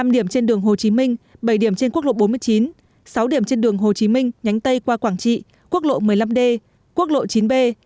năm điểm trên đường hồ chí minh bảy điểm trên quốc lộ bốn mươi chín sáu điểm trên đường hồ chí minh nhánh tây qua quảng trị quốc lộ một mươi năm d quốc lộ chín b